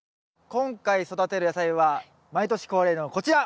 今回育てる野菜は毎年恒例のこちら！